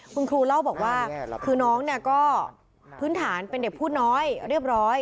คุณครูเล่าบอกว่าคือน้องเนี่ยก็พื้นฐานเป็นเด็กผู้น้อยเรียบร้อย